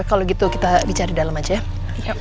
kalau gitu kita bicara di dalam aja ya